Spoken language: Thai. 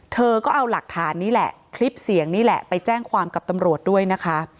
เธอก็เอาหลักฐานนี้แหละคลิปเสียงนี่แหละไปแจ้งความกับตำรวจด้วยนะคะ